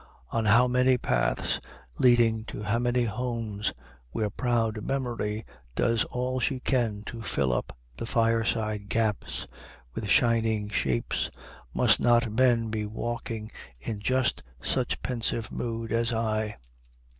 On how many paths, leading to how many homes where proud Memory does all she can to fill up the fireside gaps with shining shapes, must not men be walking in just such pensive mood as I?